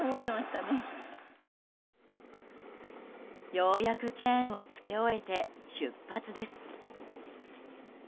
ようやくチェーンをつけ終えて出発です。